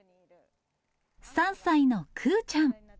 ３歳のクゥちゃん。